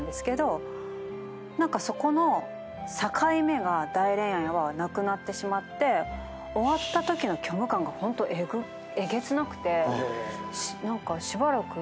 何かそこの境目が『大恋愛』はなくなってしまって終わったときの虚無感がホントえげつなくて。